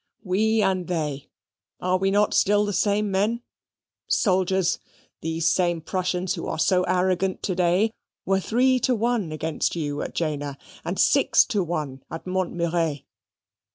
We and they, are we not still the same men? Soldiers! these same Prussians who are so arrogant to day, were three to one against you at Jena, and six to one at Montmirail.